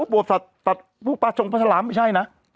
โปรดสัตว์ตัดผู้ประชงพระสลามไม่ใช่นะ